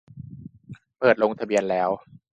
เปิดลงทะเบียนแล้ว